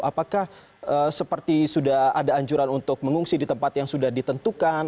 apakah seperti sudah ada anjuran untuk mengungsi di tempat yang sudah ditentukan